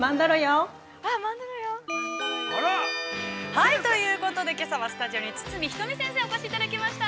◆はい、ということでけさはスタジオに堤人美先生、お越しいただきました。